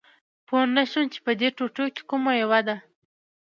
پوه نه شوم چې په دې ټوټو کې کومه یوه ده